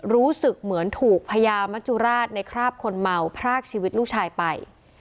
รู้สึกเหมือนถูกพญามัจจุราชในคราบคนเมาพรากชีวิตลูกชายไป